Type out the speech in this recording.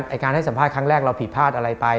การให้สัมภาษณ์ครั้งแรกเราผิดพลาดอะไรไป